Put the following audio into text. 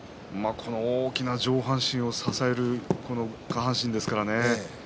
大きな上半身を支える下半身ですからね